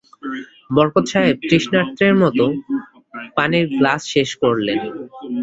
বরকত সাহেব তৃষ্ণার্তের মতো পানির গ্লাস শেষ করলেন।